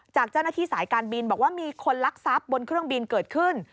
จากเจ้าหน้าที่สายการบินบอกว่ามีคนลักทรัพย์บนเครื่องบินเกิดขึ้น